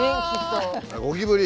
ゴキブリ？